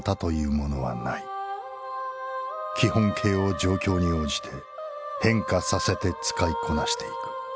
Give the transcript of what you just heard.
基本型を状況に応じて変化させて使いこなして行く。